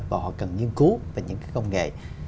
và họ cần nghiên cứu về những cái công nghệ